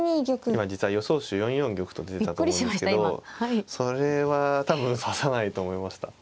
今実は予想手４四玉と出てたと思うんですけどそれは多分指さないと思いました。